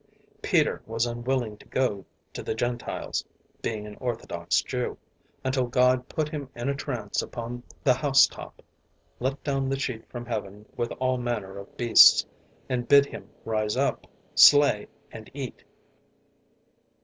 Peter was unwilling to go to the Gentiles, being an orthodox Jew, until God put him in a trance upon the house top, let down the sheet from heaven with all manner of beasts, and bid him rise up, slay, and eat.